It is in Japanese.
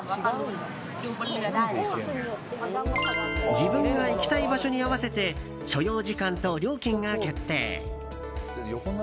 自分が行きたい場所に合わせて所要時間と料金が決定。